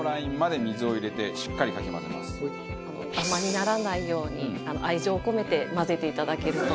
ダマにならないように愛情込めて混ぜていただけると。